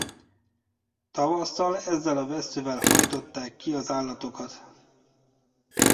Tavasszal ezzel a vesszővel hajtották ki az állatokat.